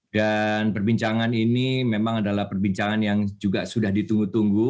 dan perbincangan ini memang adalah perbincangan yang juga sudah ditunggu tunggu